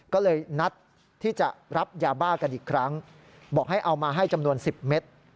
ก็เลยนัดที่จะรับยาบ้ากันอีกครั้งบอกให้เอามาให้จำนวน๑๐เมตร